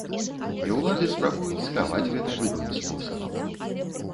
І ўлады спрабуюць схаваць гэта любым спосабам.